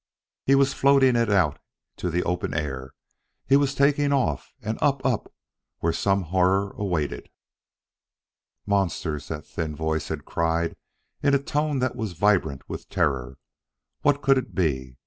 He was floating it out to the open air; he was taking off, and up up where some horror awaited. "Monsters!" that thin voice had cried in a tone that was vibrant with terror. What could it be?